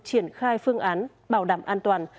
triển khai phương án bảo đảm an toàn